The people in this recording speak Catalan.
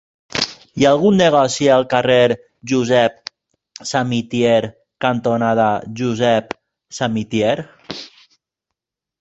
Hi ha algun negoci al carrer Josep Samitier cantonada Josep Samitier?